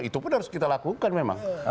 itu pun harus kita lakukan memang